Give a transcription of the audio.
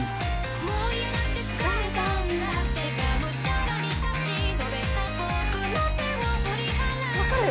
もう嫌だって疲れたんだってがむしゃらに差し伸べた僕の手を振り払う君わかる！